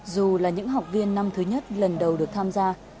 dù là những học viên năm thứ nhất lần đầu được tham gia